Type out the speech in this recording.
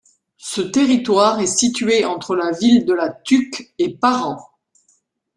Ce territoire est situé entre la ville de La Tuque et Parent.